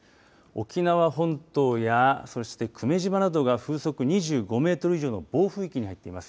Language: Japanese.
沖縄本島やそして久米島などが風速２５メートル以上の暴風域に入っています。